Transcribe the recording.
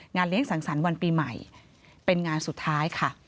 เลี้ยงสังสรรค์วันปีใหม่เป็นงานสุดท้ายค่ะ